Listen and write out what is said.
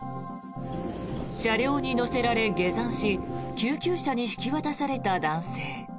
車両に乗せられ下山し救急車に引き渡された男性。